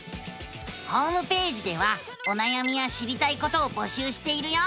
ホームページではおなやみや知りたいことを募集しているよ！